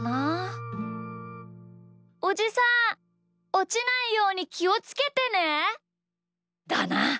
おちないようにきをつけてね。だな。